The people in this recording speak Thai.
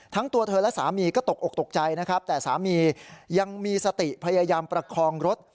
ตัวเธอและสามีก็ตกอกตกใจนะครับแต่สามียังมีสติพยายามประคองรถ